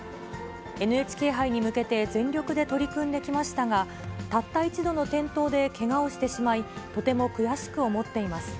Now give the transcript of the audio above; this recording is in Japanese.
ＮＨＫ杯に向けて全力で取り組んできましたが、たった一度の転倒でけがをしてしまい、とても悔しく思っています。